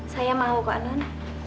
saya mau kak non